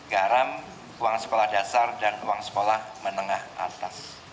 garam uang sekolah dasar dan uang sekolah menengah atas